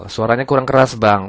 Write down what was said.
suaranya kurang keras bang